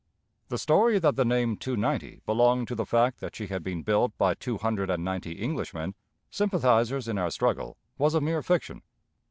The story that the name 290 belonged to the fact that she had been built by two hundred and ninety Englishmen, sympathizers in our struggle, was a mere fiction.